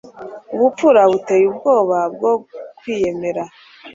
Ubupfura buteye ubwoba bwo kwiyemera